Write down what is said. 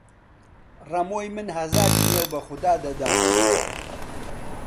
ڕەمۆی من هەزار جنێو بە خودا دەدا!